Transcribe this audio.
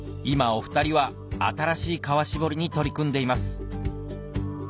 今お２人は新しい革絞りに取り組んでいます